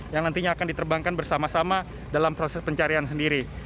yang nantinya akan diterbangkan bersama sama dalam proses pencarian sendiri